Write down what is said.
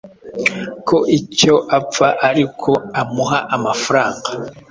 ko icyo apfa ari uko amuha amafaranga